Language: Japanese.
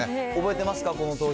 覚えてますか？